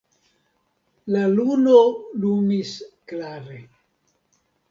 La luno lumis klare.